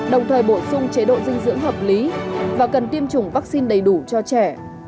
đồng thời bổ sung chế độ dinh dưỡng hợp lý và cần tiêm chủng vaccine đầy đủ cho trẻ